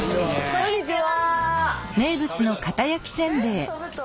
こんにちは。